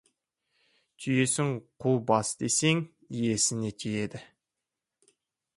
Түйесін қу бас десең, иесіне тиеді.